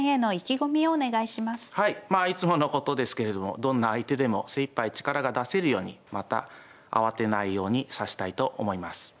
はいまあいつものことですけれどもどんな相手でも精いっぱい力が出せるようにまた慌てないように指したいと思います。